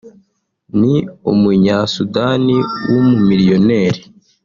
ni umunya-Sudani w’umumiliyoneri